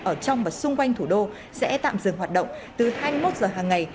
ở trong và xung quanh thủ đô sẽ tạm dừng hoạt động từ hai mươi một giờ hàng ngày